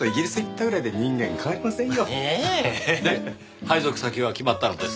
で配属先は決まったのですか？